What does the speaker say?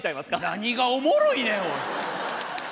何がおもろいねん！